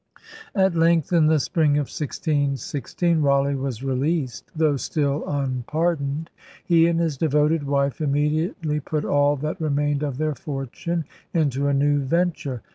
' At length, in the spring of 1616, Raleigh was released, though still unpardoned. He and his devoted wife immediately put all that remained of their fortune into a new venture.